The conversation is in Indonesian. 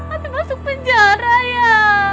abis masuk penjara ya